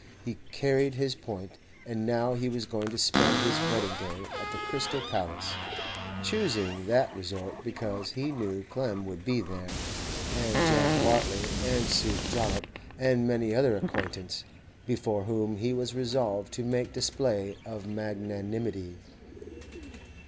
He carried his point, and now he was going to spend his wedding day at the Crystal Palace—choosing that resort because he knew Clem would be there, and Jack Bartley, and Suke Jollop, and many another acquaintance, before whom he was resolved to make display of magnanimity.